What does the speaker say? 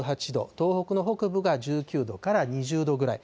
東北の北部が１９度から２０度ぐらい。